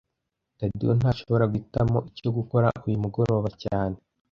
Tadeyo ntashobora guhitamo icyo gukora uyu mugoroba cyane